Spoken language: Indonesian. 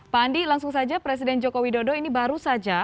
pak andi langsung saja presiden joko widodo ini baru saja